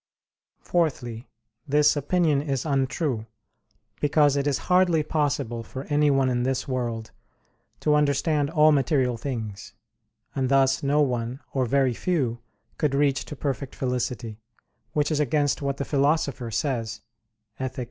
Fourthly, this opinion is untrue, because it is hardly possible for anyone in this world to understand all material things: and thus no one, or very few, could reach to perfect felicity; which is against what the Philosopher says (Ethic.